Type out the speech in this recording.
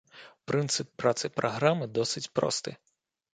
Прынцып працы праграмы досыць просты.